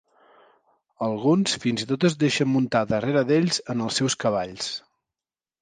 Alguns fins i tot els deixen muntar darrere d'ells en els seus cavalls.